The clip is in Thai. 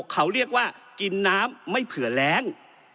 เขาเรียกว่ากินน้ำไม่เผื่อแรง